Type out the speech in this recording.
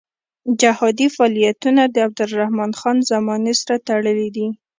جهادي فعالیتونه د عبدالرحمن خان زمانې سره تړلي دي.